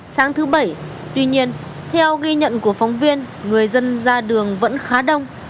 sáng thứ bảy tuy nhiên theo ghi nhận của phóng viên người dân ra đường vẫn khá đông